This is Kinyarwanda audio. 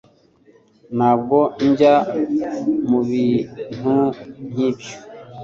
Ntabwo njya mubintu nkibyo